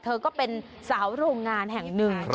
เธอก็เป็นสาวโรงงานแห่งหนึ่ง